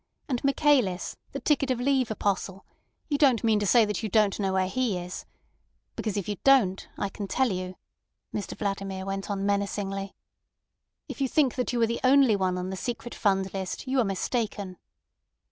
And Michaelis, the ticket of leave apostle—you don't mean to say you don't know where he is? Because if you don't, I can tell you," Mr Vladimir went on menacingly. "If you imagine that you are the only one on the secret fund list, you are mistaken."